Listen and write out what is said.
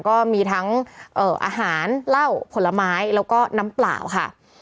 ก็มีทั้งอาหารเหล้าผลไม้แล้วก็น้ำเปล่าค่ะ